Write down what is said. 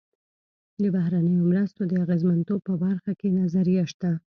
د بهرنیو مرستو د اغېزمنتوب په برخه کې نظریه شته.